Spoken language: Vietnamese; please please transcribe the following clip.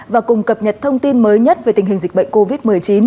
và cùng cập nhật thông tin mới nhất về tình hình dịch bệnh covid một mươi chín